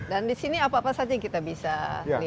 dan disini apa apa saja yang kita bisa lihat